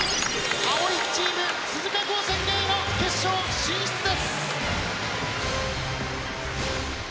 青いチーム鈴鹿高専Ａの決勝進出です！